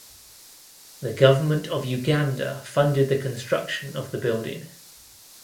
The government of Uganda funded the construction of the building.